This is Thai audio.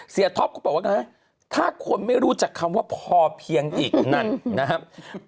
ท็อปเขาบอกว่าไงถ้าคนไม่รู้จักคำว่าพอเพียงอีกนั่นนะครับ